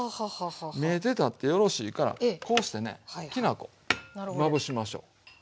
見えてたってよろしいからこうしてねきな粉まぶしましょう。